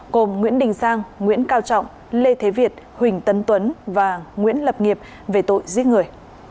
gồm nguyễn đình sang nguyễn cao trọng lê thế việt huỳnh tấn tuấn và nguyễn lập nghiệp về tội giết người